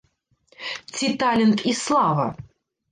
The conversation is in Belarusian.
Ці талент і слава?